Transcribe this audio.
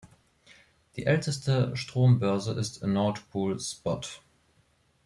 Die älteste Strombörse ist Nord Pool Spot.